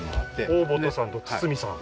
大細さんと堤さん